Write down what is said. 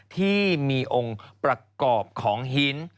ที่มีองค์ประกอบของหิน